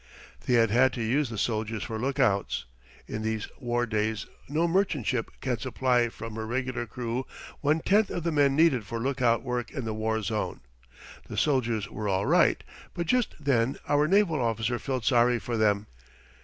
They had had to use the soldiers for lookouts. In these war days no merchant ship can supply from her regular crew one tenth of the men needed for lookout work in the war zone. The soldiers were all right, but just then our naval officer felt sorry for them.